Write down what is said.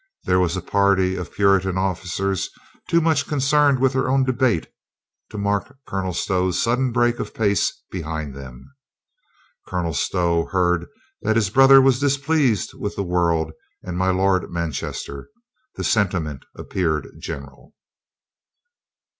There was a party of Puritan officers too much con cerned in their own debate to mark Colonel Stow's sudden break of pace behind them. Colonel Stow heard that his brother was displeased with the world and my Lord Manchester. The sentiment appeared general.